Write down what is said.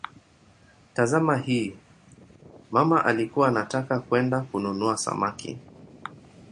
Tazama hii: "mama alikuwa anataka kwenda kununua samaki".